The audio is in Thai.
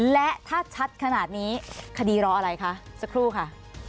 และถ้าชัดขนาดนี้คดีรออะไรคะสักครู่ค่ะ